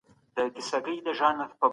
د انسان حقونه باید عملي سي.